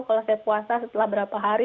kalau saya puasa setelah berapa hari